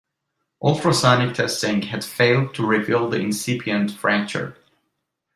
Ultrasonic testing had failed to reveal the incipient fracture.